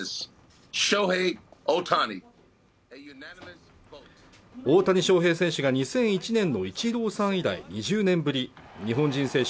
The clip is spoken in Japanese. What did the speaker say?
大谷翔平選手が２００１年のイチローさん以来２０年ぶり日本人選手